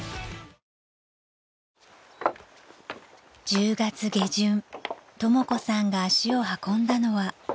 ［１０月下旬とも子さんが足を運んだのは］